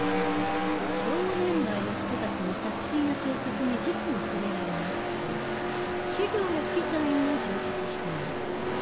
同年代の人たちの作品や制作に直に触れられますし資料や機材も充実しています。